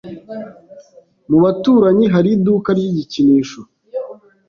Mubaturanyi hari iduka ry igikinisho.